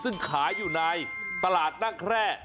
ซึ่งขายอยู่ในตลาดนั่งแคร่